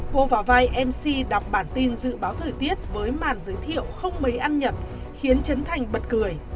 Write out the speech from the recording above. cô vào vai mc đọc bản tin dự báo thời tiết với màn giới thiệu không mấy ăn nhập khiến chấn thành bật cười